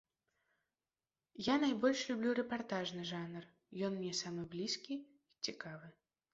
Я найбольш люблю рэпартажны жанр, ён мне самы блізкі і цікавы.